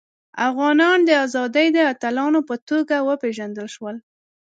افغانان د ازادۍ د اتلانو په توګه وپيژندل شول.